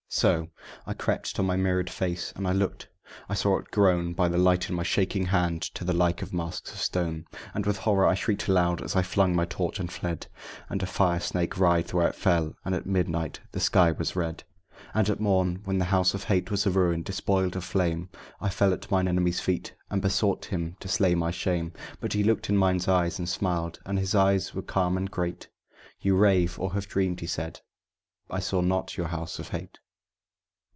So I crept to my mirrored face, and I looked, and I saw it grown (By the light in my shaking hand) to the like of the masks of stone; And with horror I shrieked aloud as I flung my torch and fled, And a fire snake writhed where it fell; and at midnight the sky was red. And at morn, when the House of Hate was a ruin, despoiled of flame, I fell at mine enemy's feet, and besought him to slay my shame; But he looked in mine eyes and smiled, and his eyes were calm and great: "You rave, or have dreamed," he said; "I saw not your House of Hate."